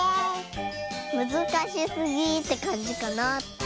むずかしすぎってかんじかな。